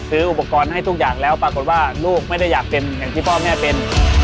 ซื้ออุปกรณ์ให้ทุกอย่างแล้วปรากฏว่าลูกไม่ได้อยากเป็นอย่างที่พ่อแม่เป็น